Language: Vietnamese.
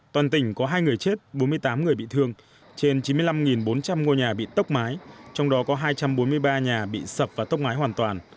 toàn tỉnh có hai người chết bốn mươi tám người bị thương trên chín mươi năm bốn trăm linh ngôi nhà bị tốc mái trong đó có hai trăm bốn mươi ba nhà bị sập và tốc mái hoàn toàn